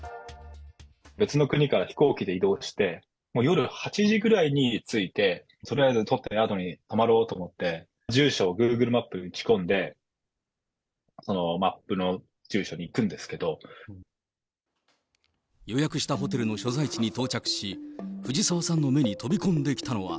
別の国から飛行機で移動して、夜８時くらいに着いて、とりあえず取った宿に泊まろうと思って、住所をグーグルマップに打ち込んで、マップの住所に行くんですけ予約したホテルの所在地に到着し、ふじさわさんの目に飛び込んできたのは。